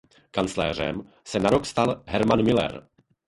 Kancléřem se na rok stal Hermann Müller.